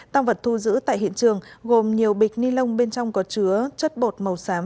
tăng vật thu giữ tại hiện trường gồm nhiều bịch ni lông bên trong có chứa chất bột màu xám